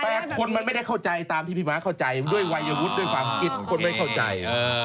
แต่คนมันไม่ได้เข้าใจตามที่พี่ม้าเข้าใจด้วยวัยวุฒิด้วยความคิดคนไม่เข้าใจ